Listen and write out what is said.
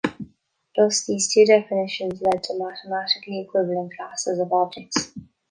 Thus, these two definitions lead to mathematically equivalent classes of objects.